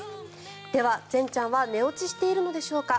では善ちゃんは寝落ちしているのでしょうか。